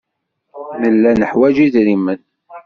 Nella neḥwaj idrimen.